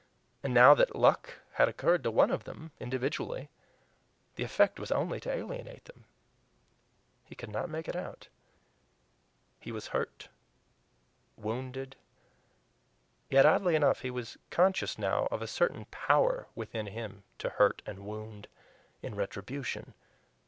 And now that "luck" had occurred to one of them, individually, the effect was only to alienate them! He could not make it out. He was hurt, wounded yet oddly enough he was conscious now of a certain power within him to hurt and wound in retribution.